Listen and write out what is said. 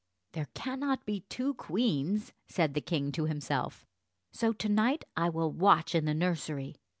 "There cannot be two queens," said the king to himself, "so to night I will watch in the nursery."